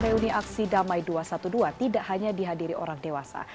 reuni aksi damai dua ratus dua belas tidak hanya dihadiri orang dewasa